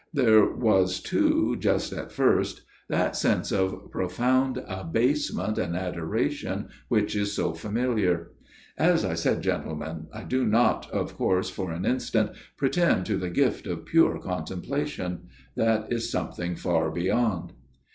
There was too, just at first, that sense of profound abasement and adoration which is so familiar. ... As I said, gentlemen, I do not of course for an instant pretend to the gift of pure contemplation ; that is something far beyond.